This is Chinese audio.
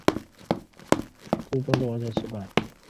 这次东征完全失败。